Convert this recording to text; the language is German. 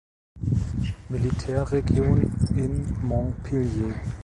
Militärregion in Montpellier.